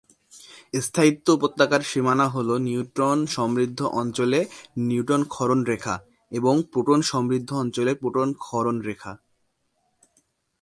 স্থায়িত্ব উপত্যকার সীমানা হল নিউট্রন-সমৃদ্ধ অঞ্চলে নিউট্রন ক্ষরণ রেখা, এবং প্রোটন-সমৃদ্ধ অঞ্চলে প্রোটন ক্ষরণ রেখা।